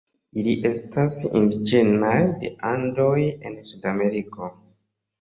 Ili estas indiĝenaj de Andoj en Sudameriko.